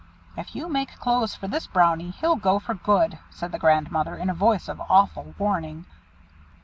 "If you make clothes for this Brownie, he'll go for good," said the Grandmother, in a voice of awful warning.